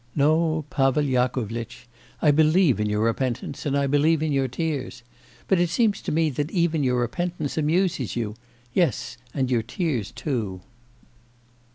'No, Pavel Yakovlitch, I believe in your repentance and I believe in your tears. But it seems to me that even your repentance amuses you yes and your tears too.